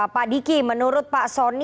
pak diki menurut pak soni